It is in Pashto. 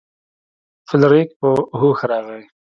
فلیریک په هوښ راغی.